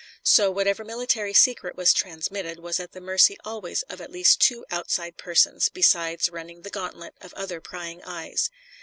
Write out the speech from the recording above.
So whatever military secret was transmitted was at the mercy always of at least two outside persons, besides running the gantlet of other prying eyes.